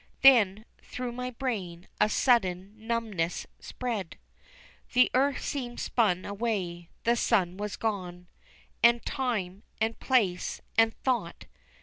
Then through my brain a sudden numbness spread. The earth seemed spun away, the sun was gone, And time, and place, and thought.